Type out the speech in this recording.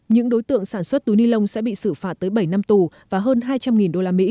những đối tượng sản xuất túi ni lông sẽ bị xử phạt tới bảy năm tù và hơn hai trăm linh usd